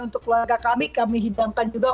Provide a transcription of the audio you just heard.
untuk keluarga kami kami hidangkan juga